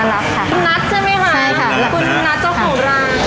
คุณนัทใช่ไหมคะคุณนัทเจ้าของร้าน